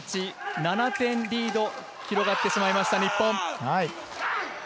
７点リード広がってしまいました、日本。